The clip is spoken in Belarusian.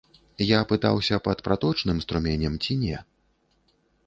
Я пытаўся, пад праточным струменем, ці не.